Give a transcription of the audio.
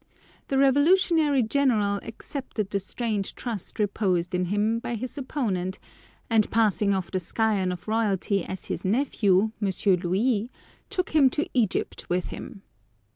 The revolutionary general accepted the strange trust reposed in him by his opponent, and passing off the scion of royalty as his nephew, Monsieur Louis, took him to Egypt with him.